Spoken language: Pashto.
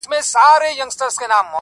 خو مخته دي ځان هر ځلي ملنگ در اچوم.